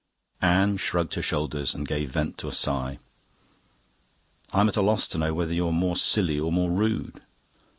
Anne shrugged her shoulders and gave vent to a sigh. "I'm at a loss to know whether you're more silly or more rude."